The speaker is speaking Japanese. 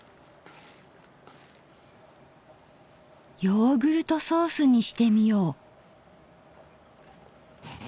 ヨーグルトソースにしてみよう。